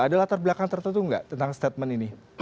ada latar belakang tertentu nggak tentang statement ini